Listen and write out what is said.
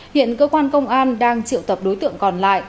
hiện cơ quan công an đang triệu tập đối tượng còn lại